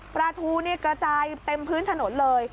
ทูกระจายเต็มพื้นถนนเลย